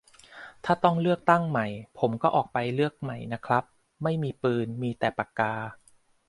ถ้าต้องเลือกตั้งใหม่ ผมก็ออกไปเลือกใหม่นะครับ ไม่มีปืน มีแต่ปากกา